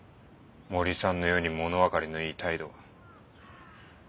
森さんのように物分かりのいい態度は。